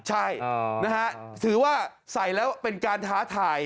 ใช่นะฮะถือว่าใส่แล้วเป็นการท้าทาย